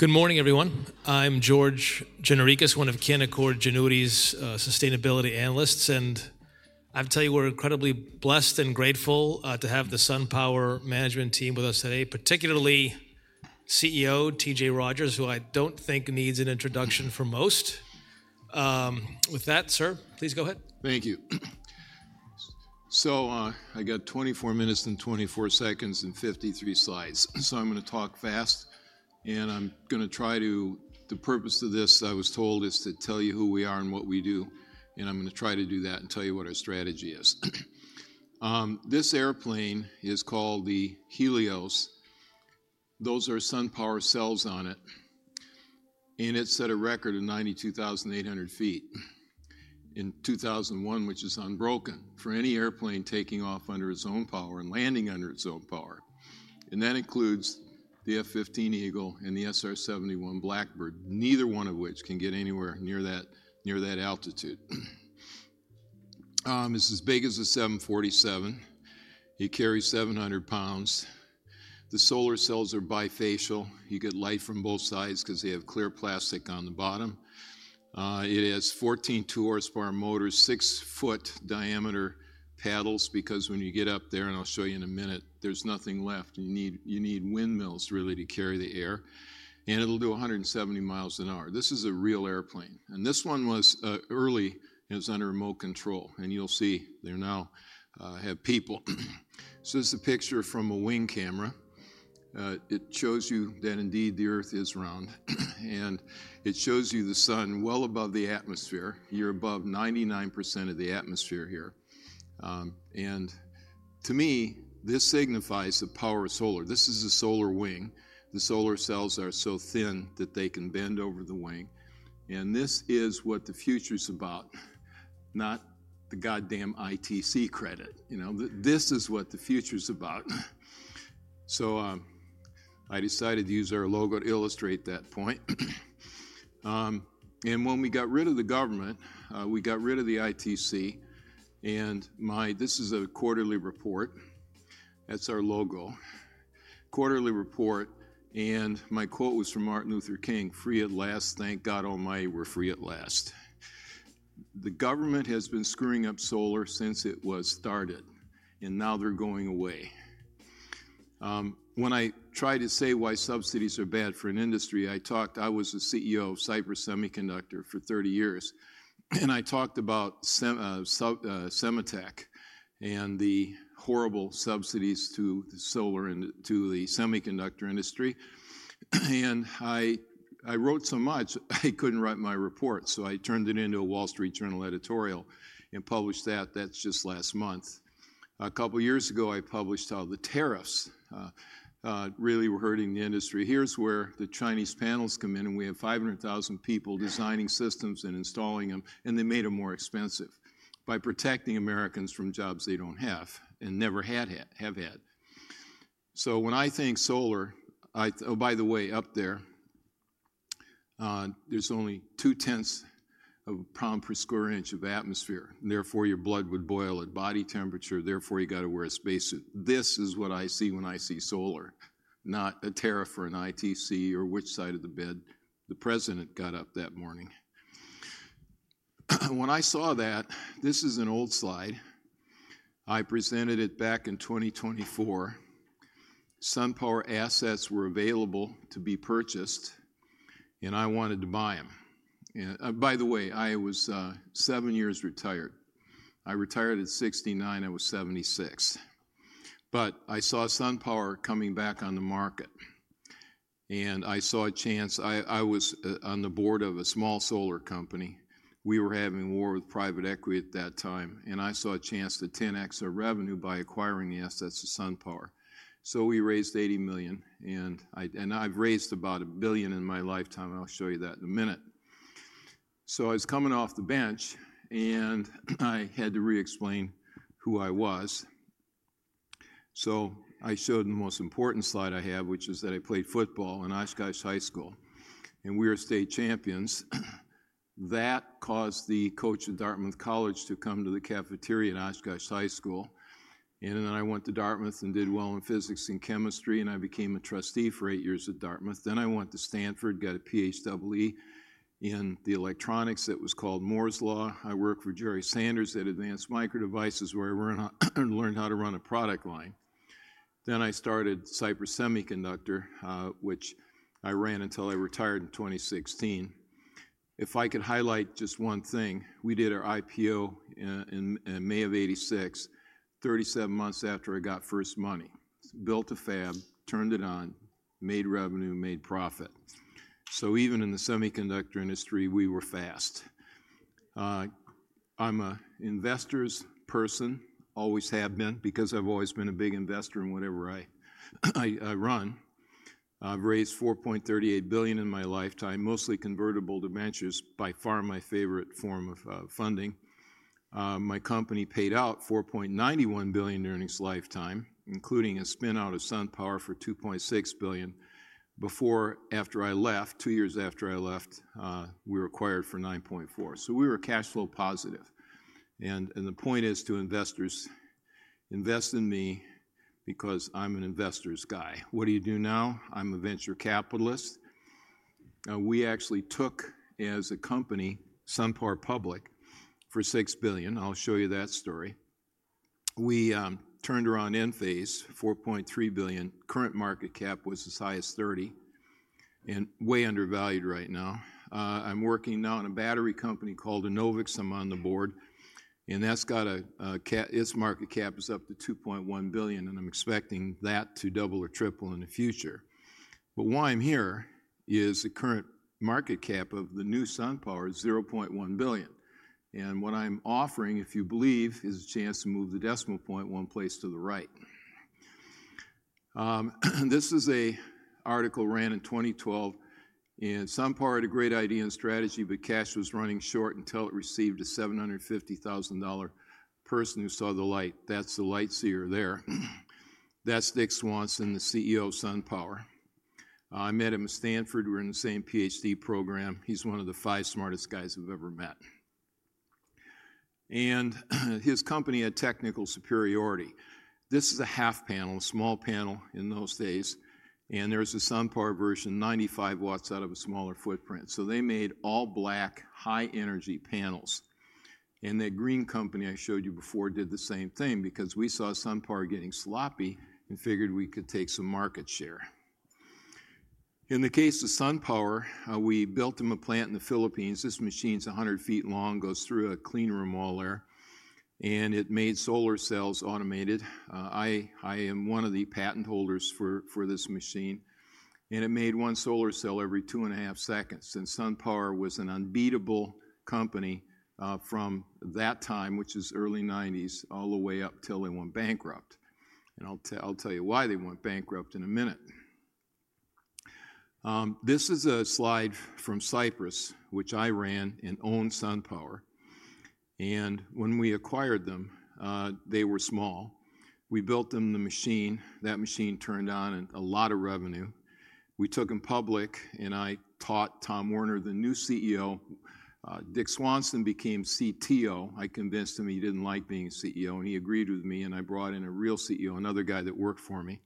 Good morning, everyone. I'm George Jenerikis, one of Canaccord Genuity's sustainability analysts, and I have to tell you we're incredibly blessed and grateful to have the SunPower management team with us today, particularly CEO T.J. Rodgers, I don't think needs an introduction from most. With that, sir, please go ahead. Thank you. I have 24 minutes and 24 swho econds and 53 slides. I am going to talk fast, and I am going to try to, the purpose of this, I was told, is to tell you who we are and what we do. I am going to try to do that and tell you what our strategy is. This airplane is called the Helios. Those are SunPower cells on it. It set a record of 92,800 feet in 2001, which is unbroken for any airplane taking off under its own power and landing under its own power. That includes the F-15 Eagle and the SR-71 Blackbird, neither one of which can get anywhere near that altitude. It is as big as a 747. It carries 700 pounds. The solar cells are bifacial. You get light from both sides because they have clear plastic on the bottom. It has 14 two-horsepower motors, six-foot diameter paddles, because when you get up there, and I will show you in a minute, there is nothing left. You need windmills really to carry the air. It will do 170 mi an hour. This is a real airplane. This one was early, and it was under remote control. You will see, they now have people. This is a picture from a wing camera. It shows you that indeed the Earth is round. It shows you the Sun well above the atmosphere. You are above 99% of the atmosphere here. To me, this signifies the power of solar. This is a solar wing. The solar cells are so thin that they can bend over the wing. This is what the future is about, not the goddamn ITC credit. This is what the future is about. I decided to use our logo to illustrate that point. When we got rid of the government, we got rid of the ITC. This is a quarterly report. That is our logo. Quarterly report. My quote was from Martin Luther King, "Free at last, thank God almighty we're free at last." The government has been screwing up solar since it was started. Now they are going away. When I tried to say why subsidies are bad for an industry, I talked, I was the CEO of Cypress Semiconductor for 30 years. I talked about Semitech and the horrible subsidies to the solar and to the semiconductor industry. I wrote so much, I could not write my report. I turned it into a Wall Street Journal editorial and published that. That is just last month. A couple of years ago, I published how the tariffs really were hurting the industry. Here's where the Chinese panels come in, and we have 500,000 people designing systems and installing them, and they made them more expensive by protecting Americans from jobs they don't have and never had. When I think solar, oh, by the way, up there, there's only 0.2 pounds per square inch of atmosphere. Therefore, your blood would boil at body temperature. Therefore, you got to wear a spacesuit. This is what I see when I see solar, not a tariff or an ITC or which side of the bed the president got up that morning. When I saw that, this is an old slide. I presented it back in 2024. Complete Solaria assets were available to be purchased, and I wanted to buy them. By the way, I was seven years retired. I retired at 69. I was 76. I saw SunPower coming back on the market. I saw a chance. I was on the board of a small solar company. We were having a war with private equity at that time. I saw a chance to 10x our revenue by acquiring the assets of SunPower. We raised $80 million. I've raised about $1 billion in my lifetime. I'll show you that in a minute. I was coming off the bench, and I had to re-explain who I was. I showed the most important slide I have, which is that I played football in Oshkosh High School, and we were state champions. That caused the coach of Dartmouth College to come to the cafeteria in Oshkosh High School. I went to Dartmouth and did well in physics and chemistry, and I became a trustee for eight years at Dartmouth. I went to Stanford, got a PhD in electronics. It was called Moore's Law. I worked for Jerry Sanders at Advanced Micro Devices, where I learned how to run a product line. I started Cypress Semiconductor, which I ran until I retired in 2016. If I could highlight just one thing, we did our IPO in May of 1986, 37 months after I got first money. Built a fab, turned it on, made revenue, made profit. Even in the semiconductor industry, we were fast. I'm an investor's person, always have been, because I've always been a big investor in whatever I run. I've raised $4.38 billion in my lifetime, mostly convertible debentures, by far my favorite form of funding. My company paid out $4.91 billion in earnings lifetime, including a spin-out of SunPower for $2.6 billion. After I left, two years after I left, we were acquired for $9.4 billion. We were cash flow positive. The point is to investors, invest in me because I'm an investor's guy. What do you do now? I'm a venture capitalist. We actually took, as a company, SunPower public for $6 billion. I'll show you that story. We turned around Enphase, $4.3 billion. Current market cap was as high as $30 billion and way undervalued right now. I'm working now on a battery company called Enovix. I'm on the board. And that's got a, its market cap is up to $2.1 billion, and I'm expecting that to double or triple in the future. Why I'm here is the current market cap of the new SunPower is $0.1 billion. What I'm offering, if you believe, is a chance to move the decimal point one place to the right. This is an article ran in 2012. SunPower had a great idea and strategy, but cash was running short until it received a $750,000 person who saw the light. That's the light seer there. That's Dick Swanson, the CEO of SunPower. I met him at Stanford. We're in the same PhD program. He's one of the five smartest guys I've ever met. His company had technical superiority. This is a half panel, a small panel in those days. There's a SunPower version, 95 watts out of a smaller footprint. They made all black high-energy panels. That green company I showed you before did the same thing because we saw SunPower getting sloppy and figured we could take some market share. In the case of SunPower, we built them a plant in the Philippines. This machine's 100 feet long, goes through a clean room all there. It made solar cells automated. I am one of the patent holders for this machine. It made one solar cell every two and a half seconds. SunPower was an unbeatable company from that time, which is early 1990s, all the way up till they went bankrupt. I'll tell you why they went bankrupt in a minute. This is a slide from Cypress, which I ran and owned SunPower. When we acquired them, they were small. We built them the machine. That machine turned on a lot of revenue. We took them public, and I taught Tom Werner, the new CEO. Dick Swanson became CTO. I convinced him he didn't like being a CEO, and he agreed with me, and I brought in a real CEO, another guy that worked for me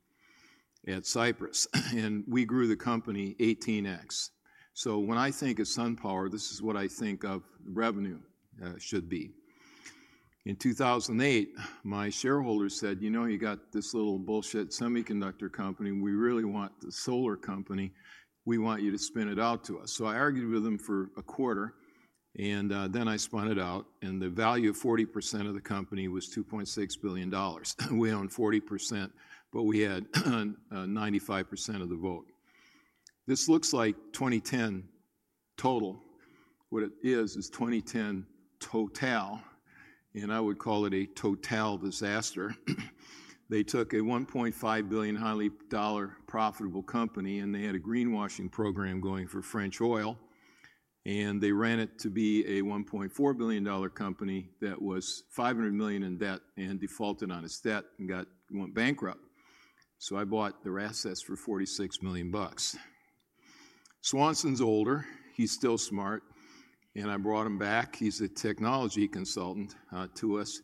at Cypress. We grew the company 18x. When I think of SunPower, this is what I think of revenue should be. In 2008, my shareholders said, you know, you got this little bullshit semiconductor company. We really want the solar company. We want you to spin it out to us. I argued with them for a quarter, and then I spun it out, and the value of 40% of the company was $2.6 billion. We owned 40%, but we had 95% of the vote. This looks like 2010 total. What it is, is 2010 total, and I would call it a total disaster. They took a $1.5 billion, highly profitable company, and they had a greenwashing program going for French oil. They ran it to be a $1.4 billion company that was $500 million in debt and defaulted on its debt and went bankrupt. I bought their assets for $46 million. Swanson's older. He's still smart. I brought him back. He's a technology consultant to us.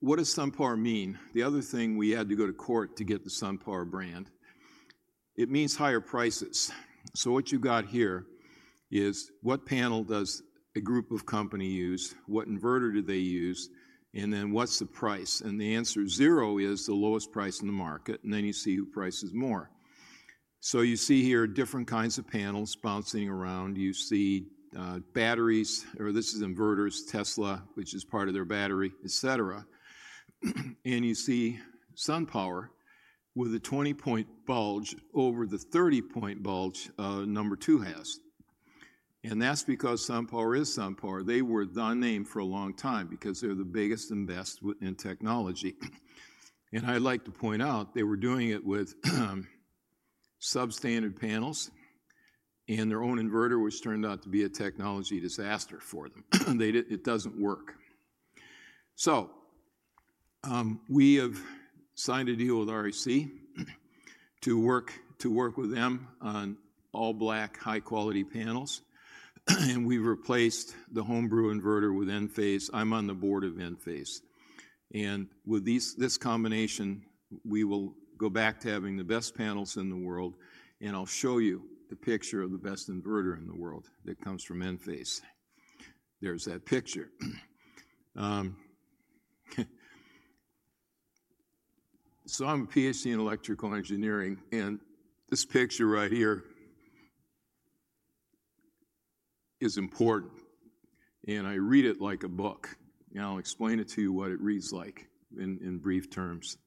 What does SunPower mean? The other thing, we had to go to court to get the SunPower brand. It means higher prices. What you got here is what panel does a group of companies use? What inverter do they use? What's the price? The answer zero is the lowest price in the market. You see who prices more. You see here different kinds of panels bouncing around. You see batteries, or this is inverters, Tesla, which is part of their battery, et cetera. You see SunPower with a 20-point bulge over the 30-point bulge number two has. That's because SunPower is SunPower. They were the name for a long time because they're the biggest and best in technology. I'd like to point out they were doing it with substandard panels and their own inverter, which turned out to be a technology disaster for them. It doesn't work. We have signed a deal with REC to work with them on all black high-quality panels. We've replaced the homebrew inverter with Enphas e. I'm on the board of c With this combination, we will go back to having the best panels in the world. I'll show you the picture of the best inverter in the world that comes from Enphase. There's that picture. I'm a Ph.D. in electrical engineering, and this picture right here is important. I read it like a book. Now I'll explain it to you, what it reads like in brief terms.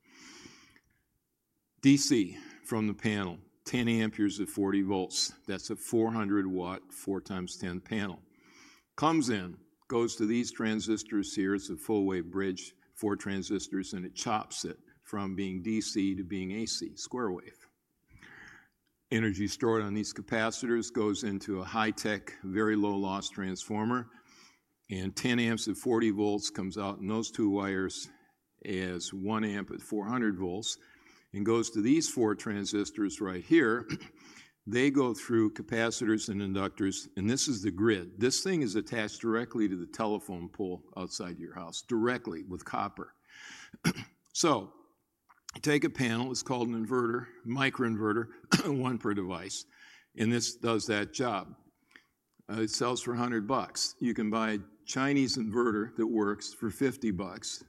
DC from the panel, 10 amperes at 40 volts. That's a 400-w, 4x 10 panel. Comes in, goes to these transistors here. It's a four-way bridge, four transistors, and it chops it from being DC to being AC, square wave. Energy stored on these capacitors goes into a high-tech, very low-loss transformer. Ten amps at 40 volts comes out in those two wires as one amp at 400 volts and goes to these four transistors right here. They go through capacitors and inductors, and this is the grid. This thing is attached directly to the telephone pole outside your house, directly with copper. Take a panel, it's called an inverter, microinverter, one per device, and this does that job. It sells for $100. You can buy a Chinese inverter that works for $50.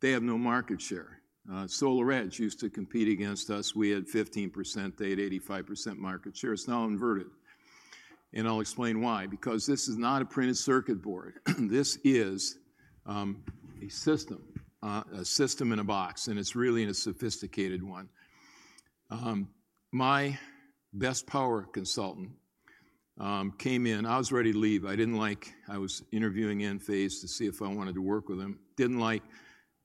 They have no market share. SolarEdge used to compete against us. We had 15%. They had 85% market share. It's now inverted. I'll explain why. This is not a printed circuit board. This is a system, a system in a box, and it's really a sophisticated one. My best power consultant came in. I was ready to leave. I didn't like, I was interviewing Enphase to see if I wanted to work with them. Didn't like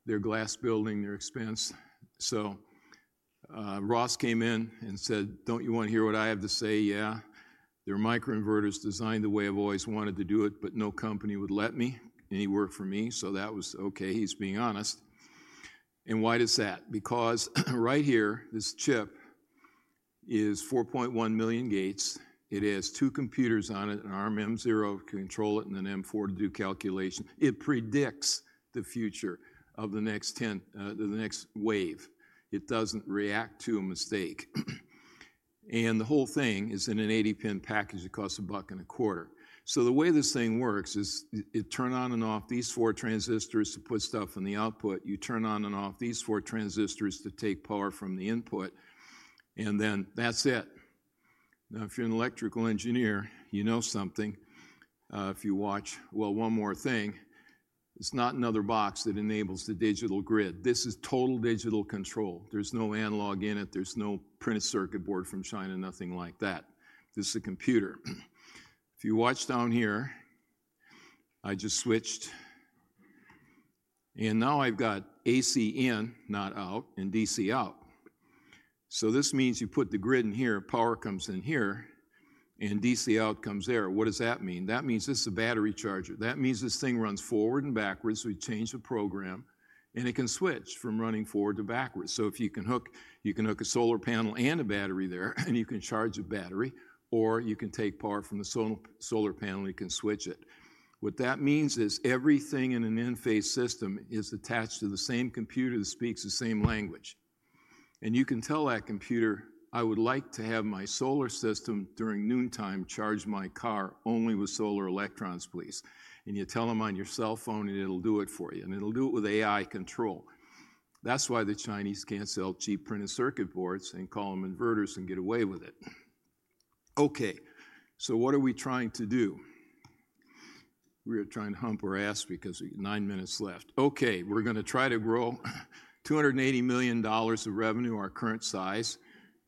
their glass building, their expense. Ross came in and said, "Don't you want to hear what I have to say?" Yeah. "Their microinverter is designed the way I've always wanted to do it, but no company would let me anywhere for me." That was okay. He's being honest. Why does that? Right here, this chip is 4.1 million gates. It has two computers on it, an ARM M0 to control it and an M4 to do calculations. It predicts the future of the next wave. It doesn't react to a mistake. The whole thing is in an 80-pin package that costs $1.25. The way this thing works is you turn on and off these four transistors to put stuff in the output. You turn on and off these four transistors to take power from the input. That's it. If you're an electrical engineer, you know something. If you watch, one more thing. It's not another box that enables the digital grid. This is total digital control. There's no analog in it. There's no printed circuit board from China, nothing like that. This is a computer. If you watch down here, I just switched. Now I've got AC in, not out, and DC out. This means you put the grid in here, power comes in here, and DC out comes there. What does that mean? That means this is a battery charger. That means this thing runs forward and backwards. We change the program, and it can switch from running forward to backwards. You can hook a solar panel and a battery there, and you can charge a battery, or you can take power from the solar panel and you can switch it. What that means is everything in an Enphase system is attached to the same computer that speaks the same language. You can tell that computer, "I would like to have my solar system during noontime charge my car only with solar electrons, please." You tell them on your cell phone, and it'll do it for you. It'll do it with AI control. That's why the Chinese can't sell cheap printed circuit boards and call them inverters and get away with it. What are we trying to do? We're trying to hump our ass because we have nine minutes left. We're going to try to grow $280 million of revenue, our current size,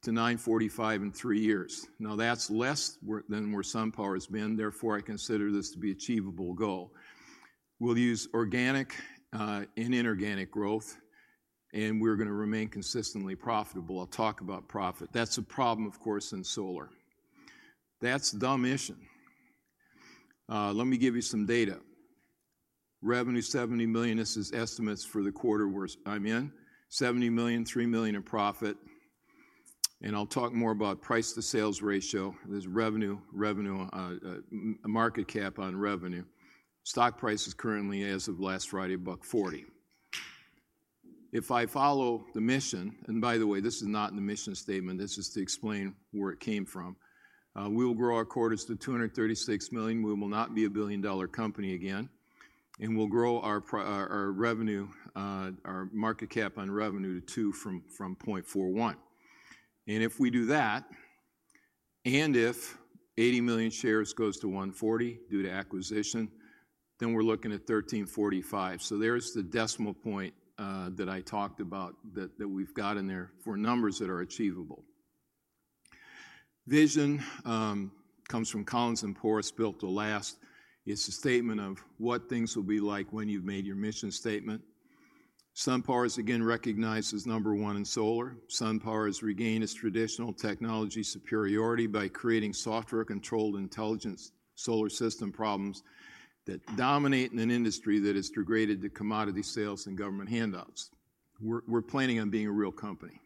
to $945 million in three years. That's less than where SunPower has been. Therefore, I consider this to be an achievable goal. We'll use organic and inorganic growth, and we're going to remain consistently profitable. I'll talk about profit. That's a problem, of course, in solar. That's dumbish. Let me give you some data. Revenue is $70 million. This is estimates for the quarter I'm in. $70 million, $3 million in profit. I'll talk more about price-to-sales ratio. There's revenue, market cap on revenue. Stock price is currently, as of last Friday, $1.40. If I follow the mission, and by the way, this is not in the mission statement. This is to explain where it came from. We'll grow our quarters to $236 million. We will not be a billion-dollar company again. We'll grow our revenue, our market cap on revenue to 2 from 0.41. If we do that, and if 80 million shares go to $1.40 due to acquisition, then we're looking at $13.45. There's the decimal point that I talked about that we've got in there for numbers that are achievable. Vision comes from Collins & Poore. It's built to last. It's a statement of what things will be like when you've made your mission statement. SunPower is again recognized as number one in solar. SunPower has regained its traditional technology superiority by creating software-controlled intelligence solar system problems that dominate in an industry that is degraded to commodity sales and government handouts. We're planning on being a real company.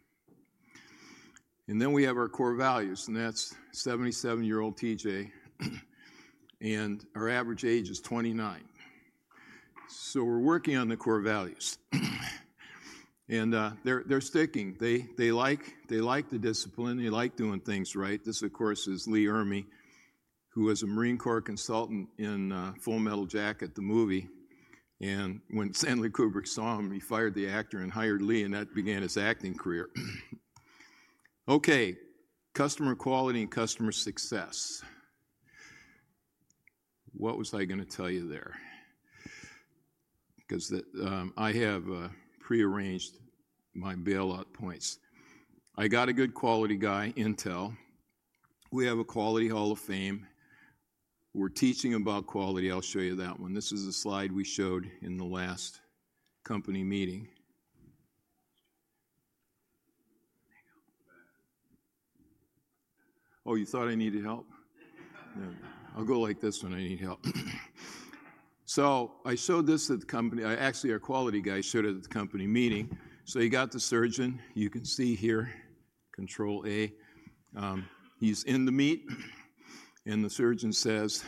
We have our core values, and that's 77-year-old T.J., and our average age is 29. We're working on the core values. They're sticking. They like the discipline. They like doing things right. This, of course, is Lee Ermey, who was a Marine Corps consultant in Full Metal Jacket, the movie. When Stanley Kubrick saw him, he fired the actor and hired Lee, and that began his acting career. Customer quality and customer success. What was I going to tell you there? Because I have pre-arranged my bailout points. I got a good quality guy, Intel. We have a quality Hall of Fame. We're teaching about quality. I'll show you that one. This is a slide we showed in the last company meeting. Oh, you thought I needed help? No. I'll go like this when I need help. I showed this at the company. Actually, our quality guy showed it at the company meeting. He got the surgeon. You can see here, Control A. He's in the meet. The surgeon says,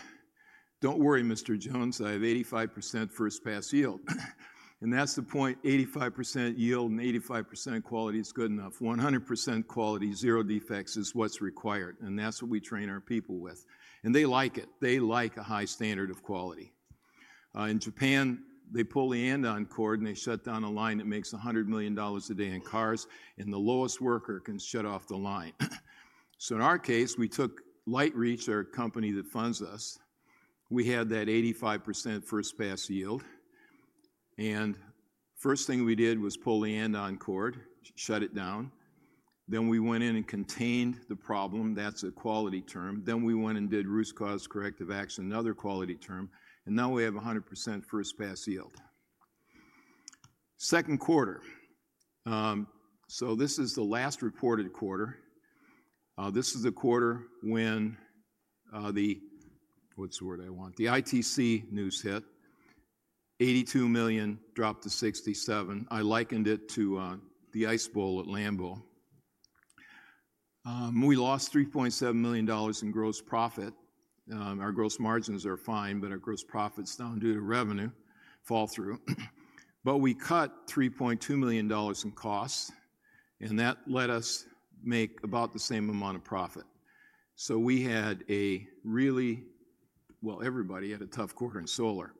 "Don't worry, Mr. Jones. I have 85% first-pass yield." That's the point. 85% yield and 85% quality is good enough. 100% quality, zero defects is what's required. That's what we train our people with. They like it. They like a high standard of quality. In Japan, they pull the andon cord and shut down a line that makes $100 million a day in cars, and the lowest worker can shut off the line. In our case, we took Lightreach, our company that funds us. We had that 85% first-pass yield. The first thing we did was pull the andon cord, shut it down. We went in and contained the problem. That's a quality term. We went and did risk-cause corrective action, another quality term. Now we have 100% first-pass yield. Second quarter. This is the last reported quarter. This is the quarter when the ITC news hit. $82 million dropped to $67 million. I likened it to the Ice Bowl at Lambeau. We lost $3.7 million in gross profit. Our gross margins are fine, but our gross profit is down due to revenue fall through. We cut $3.2 million in cost, and that let us make about the same amount of profit. Everybody had a tough quarter in solar.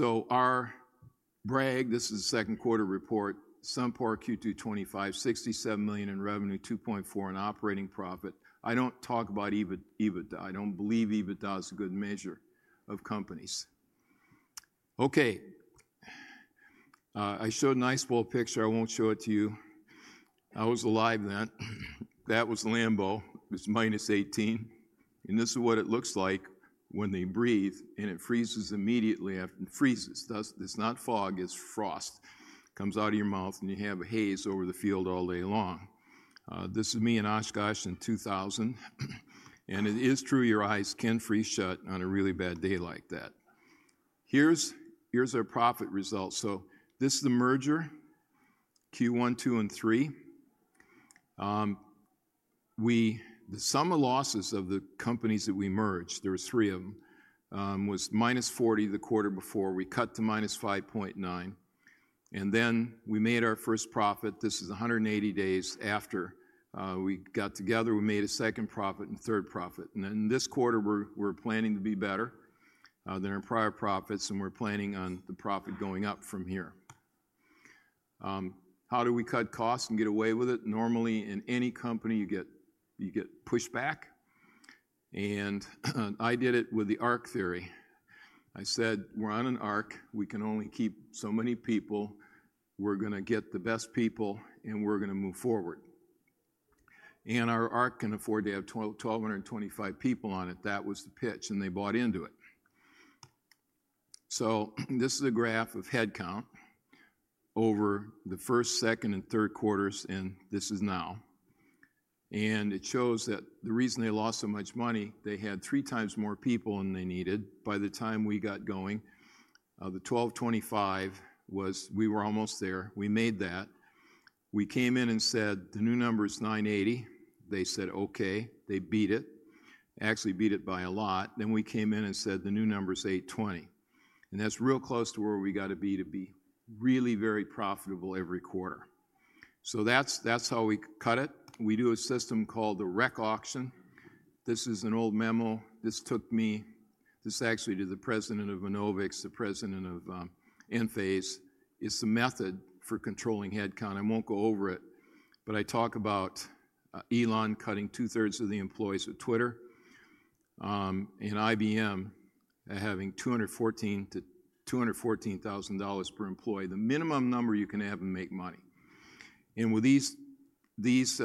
Our BRAG, this is the second quarter report, Complete Solaria Q2 2025, $67 million in revenue, $2.4 million in operating profit. I don't talk about EBITDA. I don't believe EBITDA is a good measure of companies. I showed an Ice Bowl picture. I won't show it to you. I was alive then. That was Lambeau. It was -18. This is what it looks like when they breathe, and it freezes immediately after it freezes. It's not fog. It's frost. It comes out of your mouth, and you have a haze over the field all day long. This is me in Oshkosh in 2000. It is true, your eyes can freeze shut on a really bad day like that. Here's our profit result. This is the merger, Q1, Q2, and Q3. The sum of losses of the companies that we merged, there were three of them, was -$40 million the quarter before. We cut to -$5.9 million. Then we made our first profit. This is 180 days after we got together. We made a second profit and third profit. This quarter, we're planning to be better than our prior profits, and we're planning on the profit going up from here. How do we cut costs and get away with it? Normally, in any company, you get pushback. I did it with the ARC theory. I said, "We're on an ARC. We can only keep so many people. We're going to get the best people, and we're going to move forward." Our ARC can afford to have 1,225 people on it. That was the pitch, and they bought into it. This is a graph of headcount over the first, second, and third quarters, and this is now. It shows that the reason they lost so much money, they had three times more people than they needed by the time we got going. The 1,225 was we were almost there. We made that. We came in and said, "The new number is 980." They said, "Okay." They beat it. Actually, beat it by a lot. We came in and said, "The new number is 820." That's real close to where we got to be to be really very profitable every quarter. That's how we cut it. We do a system called the REC auction. This is an old memo. This actually did the President of Enovix, the President of Enphase. It's a method for controlling headcount. I won't go over it, but I talk about Elon cutting two-thirds of the employees at Twitter and IBM having $214,000-$214,000 per employee, the minimum number you can have and make money. With these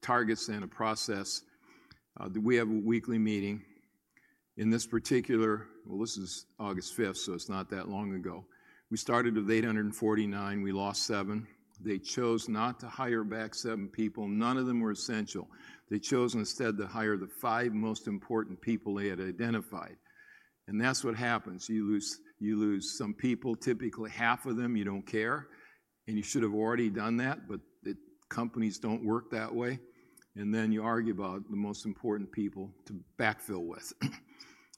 targets and a process, we have a weekly meeting. In this particular, this is August 5, so it's not that long ago. We started with 849. We lost seven. They chose not to hire back seven people. None of them were essential. They chose instead to hire the five most important people they had identified. That's what happens. You lose some people. Typically, half of them, you don't care. You should have already done that, but companies don't work that way. You argue about the most important people to backfill with.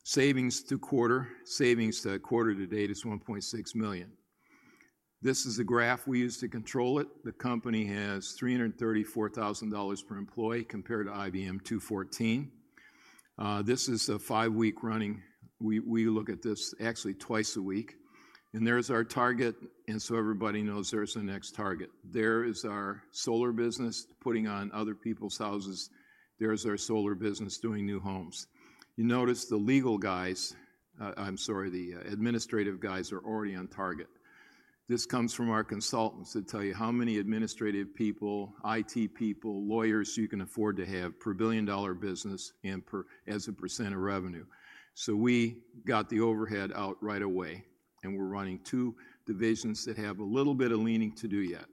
Savings to quarter. Savings to quarter to date is $1.6 million. This is a graph we use to control it. The company has $334,000 per employee compared to IBM, $214,000. This is a five-week running. We look at this actually twice a week. There's our target, and so everybody knows there's a next target. There is our solar business putting on other people's houses. There is our solar business doing new homes. You notice the legal guys, I'm sorry, the administrative guys are already on target. This comes from our consultants that tell you how many administrative people, IT people, lawyers you can afford to have per billion-dollar business and as a % of revenue. We got the overhead out right away. We're running two divisions that have a little bit of leaning to do yet.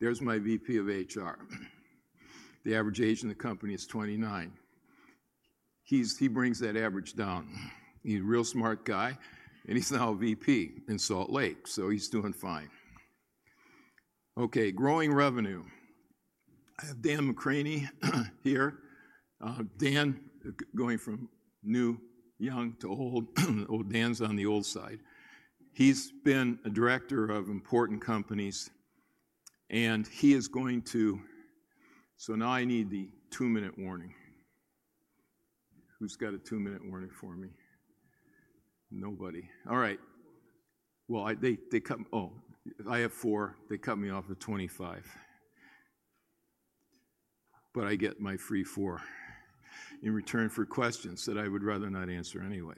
There's my VP of HR. The average age in the company is 29. He brings that average down. He's a real smart guy, and he's now a VP in Salt Lake. He's doing fine. Growing revenue. I have Dan McCraney here. Dan going from new, young to old. Dan's on the old side. He's been a director of important companies, and he is going to, so now I need the two-minute warning. Who's got a two-minute warning for me? Nobody. They cut, oh, I have four. They cut me off at 25. I get my free four in return for questions that I would rather not answer anyway.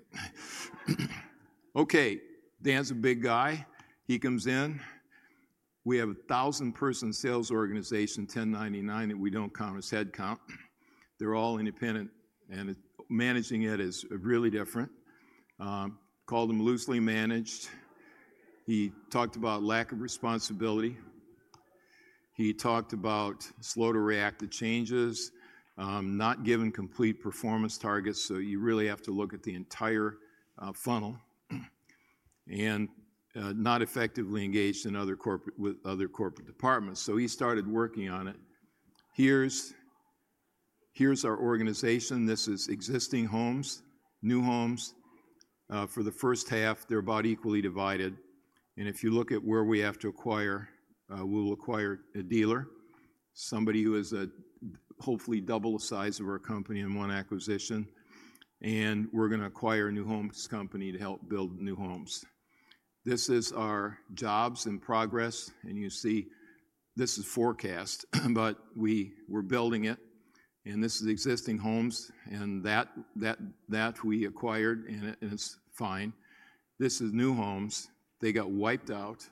Dan's a big guy. He comes in. We have a 1,000-person sales organization, 1099, that we don't count as headcount. They're all independent, and managing it is really different. Called him loosely managed. He talked about lack of responsibility. He talked about slow to react to changes, not given complete performance targets. You really have to look at the entire funnel and not effectively engaged in other corporate departments. He started working on it. Here's our organization. This is existing homes, new homes. For the first half, they're about equally divided. If you look at where we have to acquire, we'll acquire a dealer, somebody who is hopefully double the size of our company in one acquisition. We're going to acquire a new homes company to help build new homes. This is our jobs in progress. You see, this is forecast, but we're building it. This is existing homes, and that we acquired, and it's fine. This is new homes. They got wiped out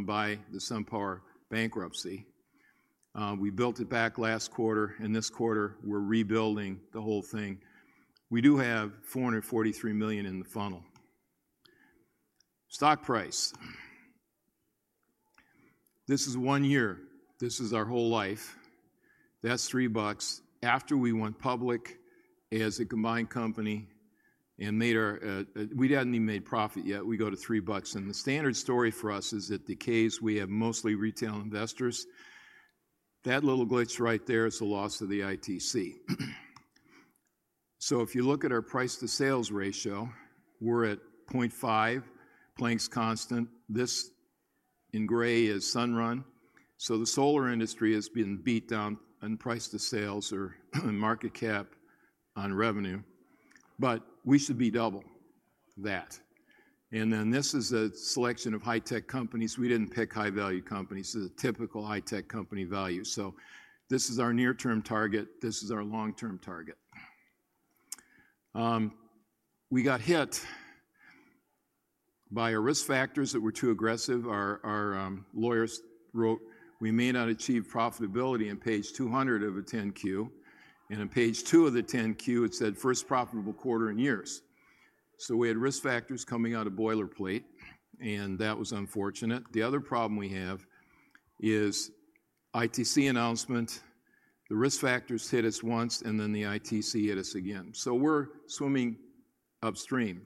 by the SunPower bankruptcy. We built it back last quarter, and this quarter, we're rebuilding the whole thing. We do have $443 million in the funnel. Stock price. This is one year. This is our whole life. That's three bucks. After we went public as a combined company and made our, we hadn't even made profit yet. We go to three bucks. The standard story for us is it decays. We have mostly retail investors. That little glitch right there is the loss of the ITC. If you look at our price-to-sales ratio, we're at 0.5, plank's constant. This in gray is SunRun. The solar industry has been beat down on price-to-sales or market cap on revenue. We should be double that. This is a selection of high-tech companies. We didn't pick high-value companies. This is a typical high-tech company value. This is our near-term target. This is our long-term target. We got hit by our risk factors that were too aggressive. Our lawyers wrote, "We may not achieve profitability in page 200 of a 10-Q." In page two of the 10-Q, it said, "First profitable quarter in years." We had risk factors coming out of boilerplate, and that was unfortunate. The other problem we have is the ITC announcement. The risk factors hit us once, and the ITC hit us again. We're swimming upstream.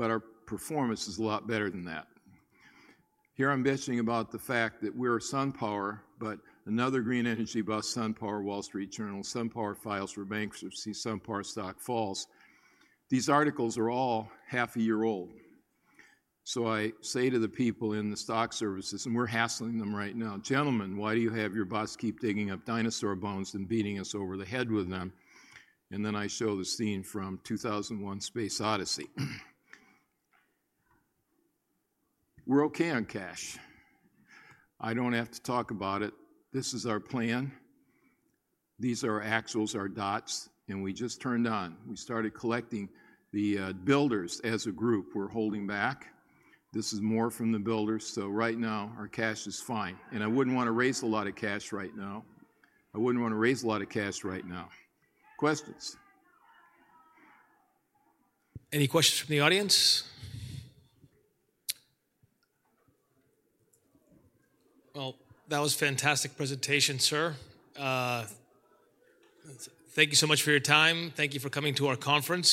Our performance is a lot better than that. Here I'm complaining about the fact that we're SunPower but another green energy bust, Complete Solaria, Wall Street Journal, Complete Solaria files for bankruptcy, Complete Solaria stock falls. These articles are all half a year old. I say to the people in the stock services, and we're hassling them right now, "Gentlemen, why do you have your boss keep digging up dinosaur bones and beating us over the head with them?" I show the scene from 2001: A Space Odyssey. We're okay on cash. I don't have to talk about it. This is our plan. These are our axles, our dots, and we just turned on. We started collecting the builders as a group. We're holding back. This is more from the builders. Right now, our cash is fine. I wouldn't want to raise a lot of cash right now. I wouldn't want to raise a lot of cash right now. Any questions from the audience? That was a fantastic presentation, sir. Thank you so much for your time. Thank you for coming to our conference.